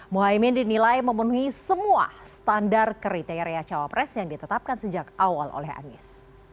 muhaymin dinilai memenuhi semua standar kriteria cawapres yang ditetapkan sejak awal oleh anies